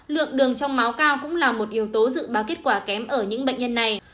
lượng đường trong máu cao cũng là một yếu tố dự báo kết quả kém ở những bệnh nhân này